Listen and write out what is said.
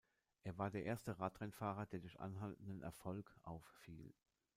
Er war der erste Radrennfahrer, der durch anhaltenden Erfolg auffiel.